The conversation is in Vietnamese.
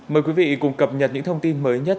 mời quý vị cùng cập nhật những thông tin mới nhất